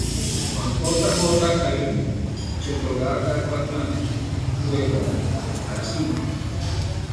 Juan J. J. Kyle" se otorgaba cada cuatro años; luego, cada cinco.